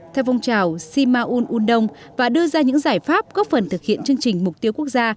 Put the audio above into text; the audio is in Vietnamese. theo phong trào si ma un undong và đưa ra những giải pháp góp phần thực hiện chương trình mục tiêu quốc gia